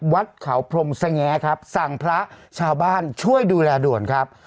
วัดเขาพรมสงแงครับสั่งพระชาวบ้านช่วยดูแลด่วนครับ